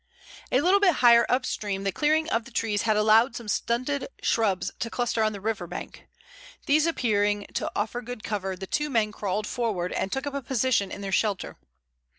A little bit higher up stream the clearing of the trees had allowed some stunted shrubs to cluster on the river bank. These appearing to offer good cover, the two men crawled forward and took up a position in their shelter.